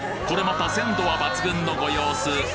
これまた鮮度は抜群のご様子。